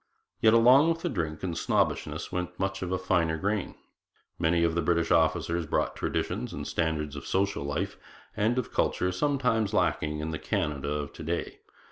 Yet along with the drink and the snobbishness went much of finer grain. Many of the British officers brought traditions and standards of social life and of culture sometimes lacking in the Canada of to day.